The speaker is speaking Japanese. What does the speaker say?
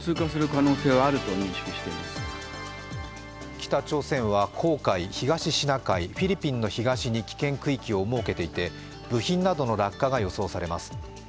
北朝鮮は黄海、東シナ海、フィリピンの東に危険区域を設けていて部品などの落下が予想されます。